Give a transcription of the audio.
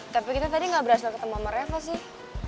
tapi kita tadi gak berhasil ketemu sama mereka sih